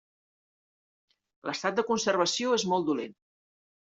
L'estat de conservació és molt dolent.